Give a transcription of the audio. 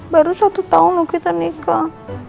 baru satu tahun kita nikah